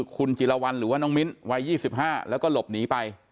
คุณจิรวรรณหรือว่าน้องมิ้นวัย๒๕แล้วก็หลบหนีไป